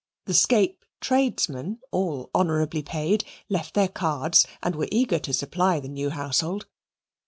The Scape tradesmen, all honourably paid, left their cards, and were eager to supply the new household.